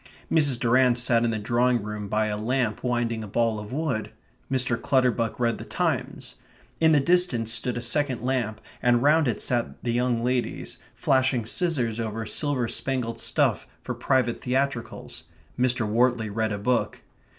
Mrs. Durrant sat in the drawing room by a lamp winding a ball of wool. Mr. Clutterbuck read the Times. In the distance stood a second lamp, and round it sat the young ladies, flashing scissors over silver spangled stuff for private theatricals. Mr. Wortley read a book.